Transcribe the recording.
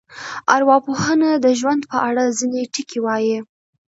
ارواپوهنه د ژوند په اړه ځینې ټکي وایي.